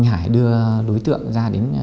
anh hải đưa đối tượng ra đến